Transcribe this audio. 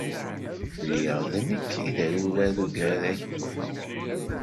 Lliɣ d nekk i d arurad ugar akk.